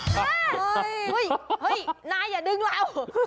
ใช่เฮ้ยนายอย่าดึงเรา